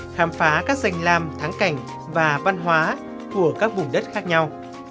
khám phá các danh lam thắng cảnh và văn hóa của các vùng đất khác nhau